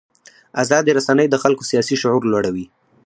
ازادې رسنۍ د خلکو سیاسي شعور لوړوي.